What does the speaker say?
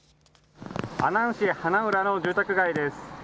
阿南市羽ノ浦の住宅街です。